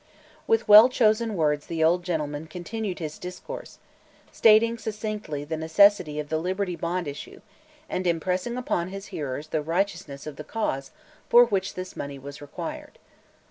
With well chosen words the old gentleman continued his discourse, stating succinctly the necessity of the Liberty Bond issue and impressing upon his hearers the righteousness of the cause for which this money was required.